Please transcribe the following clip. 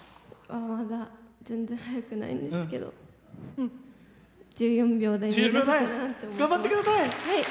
まだ全然速くないんですけど１４秒台出せたらなと思います。